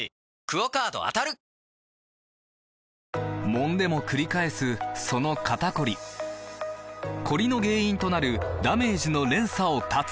もんでもくり返すその肩こりコリの原因となるダメージの連鎖を断つ！